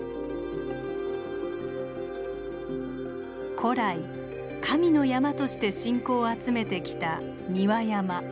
古来神の山として信仰を集めてきた三輪山。